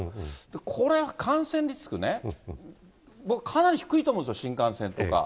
これ、感染リスクね、僕かなり低いと思うんですよ、新幹線とか。